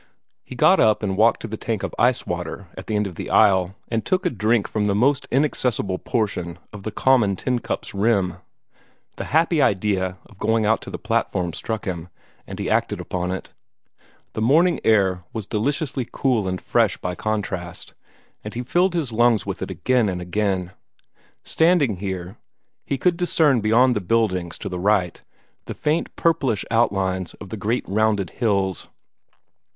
He got up and walked to the tank of ice water at the end of the aisle, and took a drink from the most inaccessible portion of the common tin cup's rim. The happy idea of going out on the platform struck him, and he acted upon it. The morning air was deliciously cool and fresh by contrast, and he filled his lungs with it again and again. Standing here, he could discern beyond the buildings to the right the faint purplish outlines of great rounded hills.